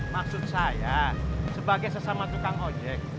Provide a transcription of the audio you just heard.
maksud saya sebagai sesama tukang ojek